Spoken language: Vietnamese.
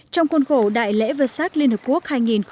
trong khuôn khổ đại lễ vê sác liên hợp quốc hai nghìn một mươi chín